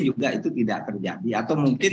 juga itu tidak terjadi atau mungkin